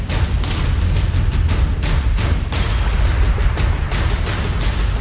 ดั่งการตรงนี้โอเคไม่ถูกพอ